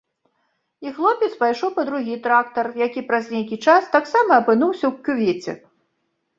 І хлопец пайшоў па другі трактар, які праз нейкі час таксама апынуўся ў кювеце.